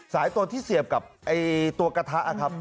สายตัวที่เสียบกับตัวกระทะครับ